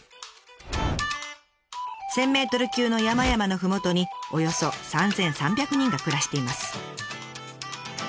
１，０００ｍ級の山々のふもとにおよそ３，３００人が暮らしています。